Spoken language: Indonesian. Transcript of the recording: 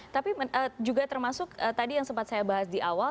tapi juga termasuk tadi yang sempat saya bahas di awal